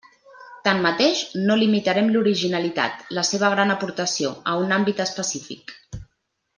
Tanmateix, no limitarem l'originalitat, la seva gran aportació, a un àmbit específic.